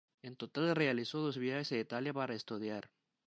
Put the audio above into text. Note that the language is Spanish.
En total realizó dos viajes a Italia para estudiar.